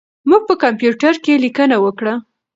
موږ په کمپیوټر کې لیکنه وکړه.